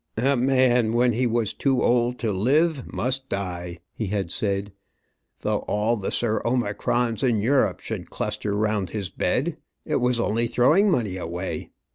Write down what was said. "A man when he was too old to live must die," he had said, "though all the Sir Omicrons in Europe should cluster round his bed. It was only throwing money away.